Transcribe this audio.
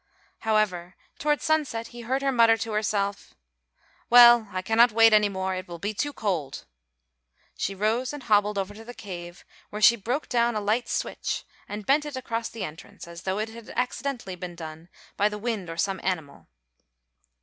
However, toward sunset he heard her mutter to herself, "Well, I cannot wait any more, it will be too cold." She rose and hobbled over to the cave, where she broke down a light switch and bent it across the entrance, as though it had accidentally been done by the wind or some animal.